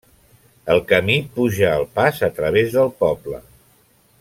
El camí puja el pas a través del poble.